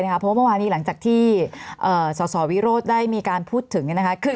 เพราะว่าเมื่อวานี้หลังจากที่สสวิโรธได้มีการพูดถึง